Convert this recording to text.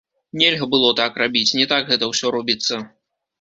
Нельга было так рабіць, не так гэта ўсё робіцца.